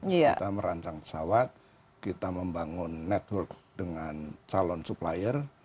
kita merancang pesawat kita membangun network dengan calon supplier